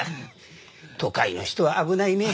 都会の人は危ないねえ。